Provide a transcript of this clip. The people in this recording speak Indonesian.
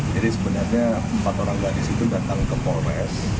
jadi sebenarnya empat orang gadis itu datang ke mapol res